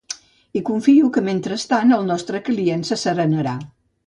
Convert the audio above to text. I confio que mentrestant el nostre client s'asserenarà.